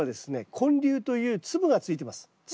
根粒という粒がついてます粒。